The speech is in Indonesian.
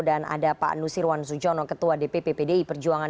dan ada pak nusirwan sujono ketua dpp pdi perjuangan